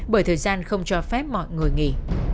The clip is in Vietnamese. bởi thời gian không cho phép mọi người nghỉ